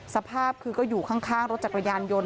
สภาพคือก็อยู่ข้างรถจักรยานยนต์